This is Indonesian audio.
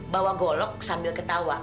bawa golok sambil ketawa